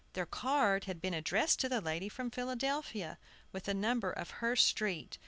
Their card had been addressed to the lady from Philadelphia, with the number of her street.